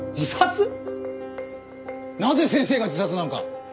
なぜ先生が自殺なんか。